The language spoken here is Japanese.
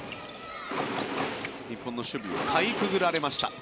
日本の守備をかいくぐられました。